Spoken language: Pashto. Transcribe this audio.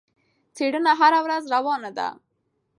څېړنه هره ورځ روانه ده.